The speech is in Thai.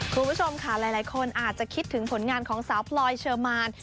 คุณผู้ชมค่ะหลายคนอาจจะคิดถึงผลงานของสาวพลอยเชอร์มาน